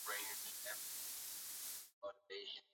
Milipuko ya Mbagala na Gongo la mboto ilimpa tabu sana Mwinyi